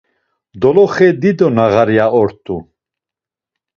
Doloxe dido nağarya ort̆u.